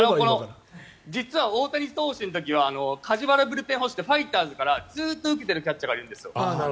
実は大谷投手の時は梶原ブルペン捕手というファイターズからずっと受けている捕手がいるんです。